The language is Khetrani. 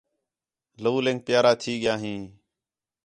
لَولینک پیارا تھی ڳِیا ہیں